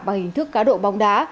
bằng hình thức cá độ bóng đá